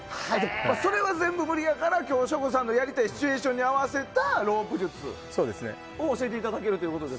それ全部は無理やから今日、省吾さんがやりたいシチュエーションに合わせたロープ術を教えていただけるということで。